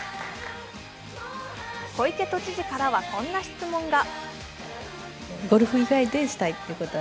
小池都知事からはこんな質問が。